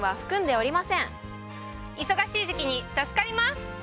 忙しい時期に助かります！